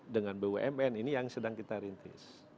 dengan bumn ini yang sedang kita rintis